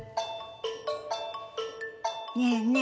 ねえねえ